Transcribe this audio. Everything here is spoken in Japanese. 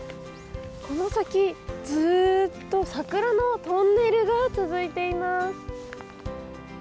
この先、ずっと桜のトンネルが続いています。